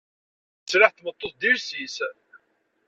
Sslaḥ n tmeṭṭut d iles-is.